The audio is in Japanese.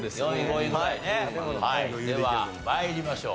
では参りましょう。